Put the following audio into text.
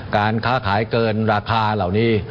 การค้าขายเกินราคาเหล่านี้